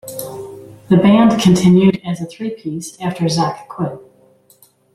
The band continued as a three-piece after Zack quit.